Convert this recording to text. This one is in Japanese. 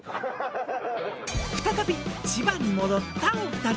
再び千葉に戻ったお二人。